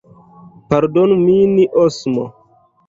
Pardonu min, Osmo!